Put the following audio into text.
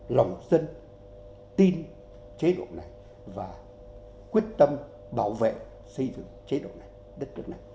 lòng dân tin chế độ này và quyết tâm bảo vệ xây dựng chế độ này đất nước này